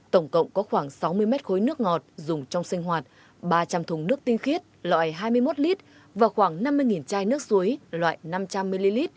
tổng cộng có khoảng sáu mươi mét khối nước ngọt dùng trong sinh hoạt ba trăm linh thùng nước tinh khiết loại hai mươi một lít và khoảng năm mươi chai nước suối loại năm trăm linh ml